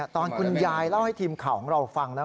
ตอนคุณยายเล่าให้ทีมข่าวของเราฟังแล้ว